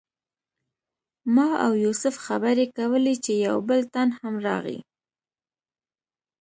ما او یوسف خبرې کولې چې یو بل تن هم راغی.